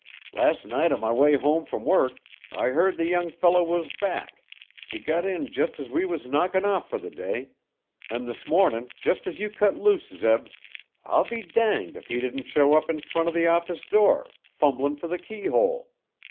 Last night on my way home from work I heerd the young feller was back he got in just as we was knockin' off for the day; an' this mornin' just as you cut loose, Zeb, I'll be danged if he didn't show up in front o' the office door, fumblin' for the keyhole.